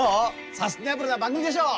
サスティナブルな番組でしょう？